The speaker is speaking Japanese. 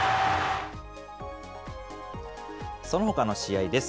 そのほかの試合です。